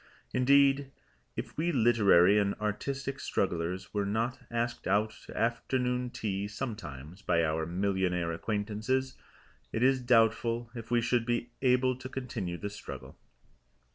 Indeed, if we literary and artistic strugglers were not asked out to afternoon tea sometimes by our millionaire acquaintances, it is doubtful if we should be able to continue the struggle.